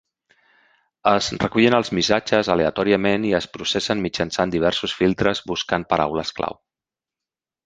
Es recullen els missatges aleatòriament i es processen mitjançant diversos filtres buscant paraules clau.